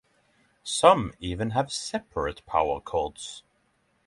Some even have separate power cords.